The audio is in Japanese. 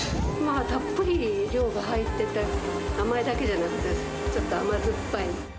たっぷり量が入ってて、甘いだけじゃなくて、ちょっと甘酸っぱい。